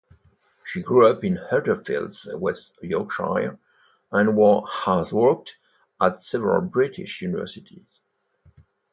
She grew up in Huddersfield, West Yorkshire, and has worked at several British universities.